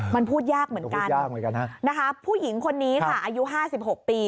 มันพูดยากเหมือนกันนะครับผู้หญิงคนนี้ค่ะอายุ๕๖ปี